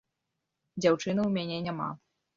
Дзяўчыны ў мяне няма.